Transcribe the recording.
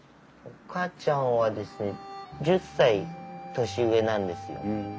岡ちゃんはですね１０歳年上なんですよ。